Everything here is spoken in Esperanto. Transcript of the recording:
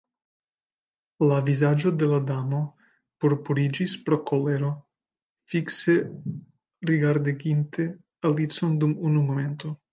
La vizaĝo de l' Damo purpuriĝis pro kolero; fikse rigardeginte Alicion dum unu momento